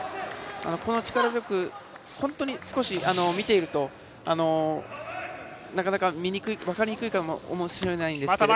この力強く本当に少し見ているとなかなか分かりにくいかもしれないんですけど。